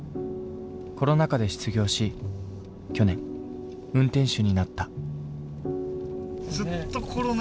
コロナ禍で失業し去年運転手になった。